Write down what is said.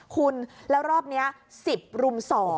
คุณแล้วรอบนี้๑๐รุม๒